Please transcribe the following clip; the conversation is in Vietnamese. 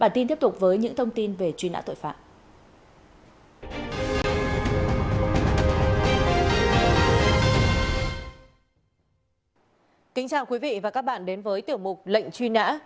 kính chào quý vị và các bạn đến với tiểu mục lệnh truy nã